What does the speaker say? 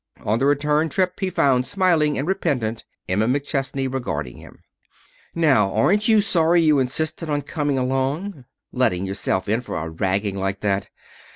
On the return trip he found smiling and repentant Emma McChesney regarding him. "Now aren't you sorry you insisted on coming along? Letting yourself in for a ragging like that?